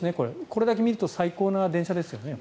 これだけ見ると最高な電車ですよね。